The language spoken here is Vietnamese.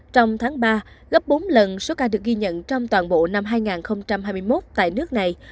trong tháng ba gấp bốn lần số ca được ghi nhận trong toàn bộ năm hai nghìn hai mươi một tại nước này